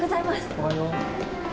おはよう。